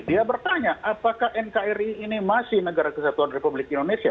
dia bertanya apakah nkri ini masih negara kesatuan republik indonesia